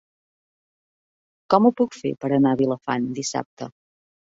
Com ho puc fer per anar a Vilafant dissabte?